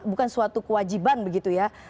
bukan suatu kewajiban begitu ya